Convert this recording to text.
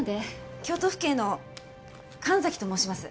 京都府警の神崎と申します。